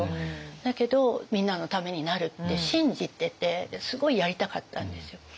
だけどみんなのためになるって信じててすごいやりたかったんですよ。